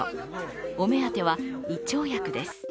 お目当ては胃腸薬です。